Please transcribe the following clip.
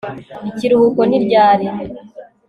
ikiruhuko ni ryari